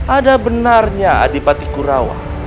ada benarnya adipati kurawa